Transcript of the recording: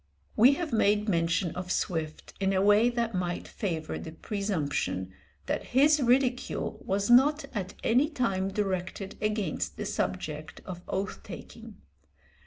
We have made mention of Swift in a way that might favour the presumption that his ridicule was not at any time directed against the subject of oath taking.